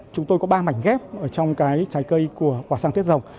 chúng tôi có ba mảnh ghép trong trái cây của quà sang tết dòng